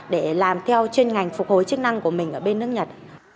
để làm theo chuyên ngành phục hồi chức năng của mình ở bên nước nhật